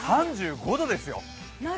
３５度ですよ。